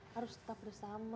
harus tetap bersama